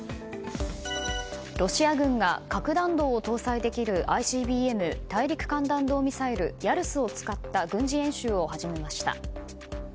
ロシア軍が核弾頭を搭載できるＩＣＢＭ・大陸間弾道ミサイルヤルスを使った軍事演習を始めました。